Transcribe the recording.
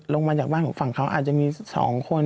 ลงมาจากบ้านของฝั่งเขาอาจจะมี๒คน